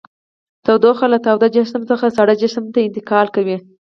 تودوخه له تاوده جسم څخه ساړه جسم ته انتقال کوي.